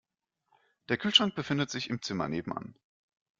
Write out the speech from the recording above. Der Kühlschrank befindet sich im Zimmer nebenan.